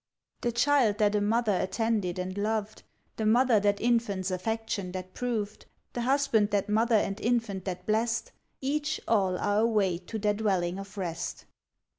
The child that a mother attended and loved, The mother that infant's affection that proved, The husband that mother and infant that blessed, Each, all, are away to their dwelling of rest.